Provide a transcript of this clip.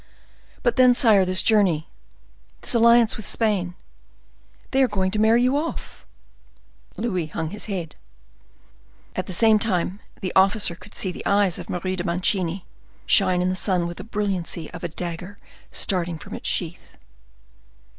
"But then, sire, this journey, this alliance with Spain? They are going to marry you off!" Louis hung his head. At the same time the officer could see the eyes of Marie de Mancini shine in the sun with the brilliancy of a dagger starting from its sheath.